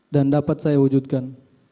dan dapat saya wujudkan